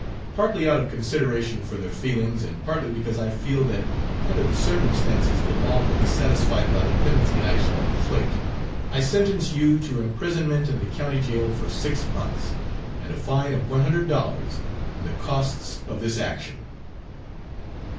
Partly out of consideration for their feelings, and partly because I feel that, under the circumstances, the law will be satisfied by the penalty I shall inflict, I sentence you to imprisonment in the county jail for six months, and a fine of one hundred dollars and the costs of this action."